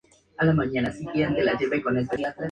Se produce uva todo el año.